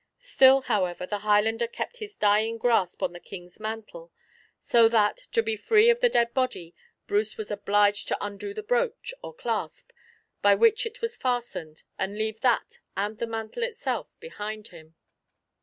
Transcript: Still, however, the Highlander kept his dying grasp on the King's mantle; so that, to be free of the dead body, Bruce was obliged to undo the brooch, or clasp, by which it was fastened, and leave that, and the mantle itself, behind him.